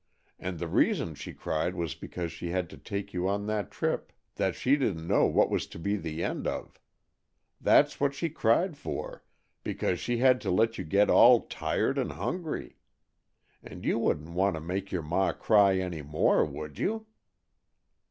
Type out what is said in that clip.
"And the reason she cried was because she had to take you on that trip that she didn't know what was to be the end of. That's what she cried for, because she had to let you get all tired and hungry. And you wouldn't want to make your ma cry any more, would you?"